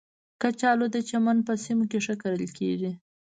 کچالو د چمن په سیمو کې ښه کرل کېږي